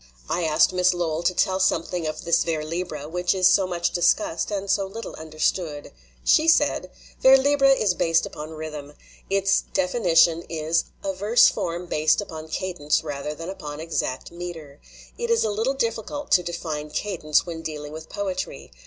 I asked Miss Lowell to tell something of this vers libre which is so much discussed and so little understood. She said: "Vers libre is based upon rhythm. Its defini tion is 'A verse form based upon cadence rather than upon exact meter/ It is a little difficult to define cadence when dealing with poetry.